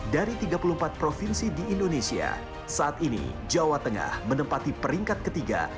dari tiga puluh empat provinsi di indonesia saat ini jawa tengah menempati peringkat ketiga